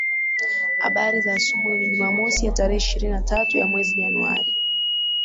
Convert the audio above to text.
abari za asubuhi ni jumamosi ya tarehe ishirini na tatu ya mwezi januari